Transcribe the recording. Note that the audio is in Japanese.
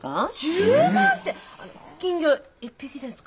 １０万って金魚１匹ですか？